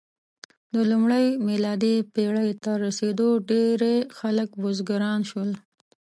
د لومړۍ میلادي پېړۍ تر رسېدو ډېری خلک بزګران شول.